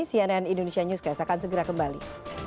cnn indonesia newscast akan segera kembali